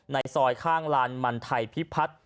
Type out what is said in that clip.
ในซอยข้างลานมันไทยพิพัฒน์